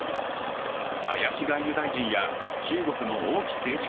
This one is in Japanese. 林外務大臣や中国の王毅政治